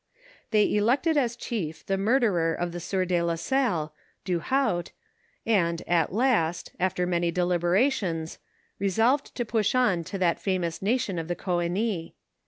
They elected as chief the murderer of the sieur de la Salle (Duhaut), and, at last, after many deliberations, resolved to push on to that famous nation of the Coenis.